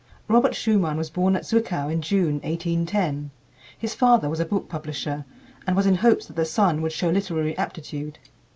Robert Schumann was born at Zwickau in June, 1810. His father was a book publisher and was in hopes that the son would show literary aptitude.